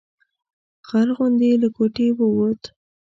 غل غوندې له کوټې ووت.